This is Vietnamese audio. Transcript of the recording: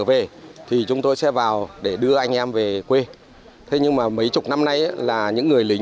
về thì chúng tôi sẽ vào để đưa anh em về quê thế nhưng mà mấy chục năm nay là những người lính